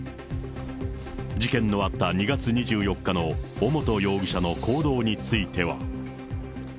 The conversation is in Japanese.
事件のあった２月２４日の尾本容疑者の行動については。